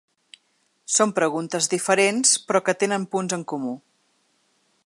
Són preguntes diferents, però que tenen punts en comú.